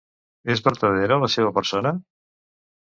És vertadera la seva persona?